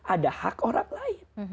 ada hak orang lain